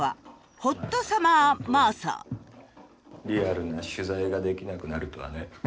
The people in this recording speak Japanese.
リアルな取材ができなくなるとはね。